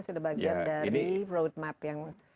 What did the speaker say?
sudah bagian dari road map yang